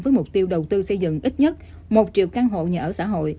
với mục tiêu đầu tư xây dựng ít nhất một triệu căn hộ nhà ở xã hội